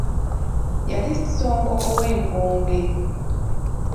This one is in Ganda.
Yali Ssonko ow’engonge.